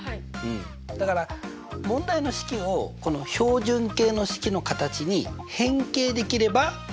だから問題の式をこの標準形の式の形に変形できれば？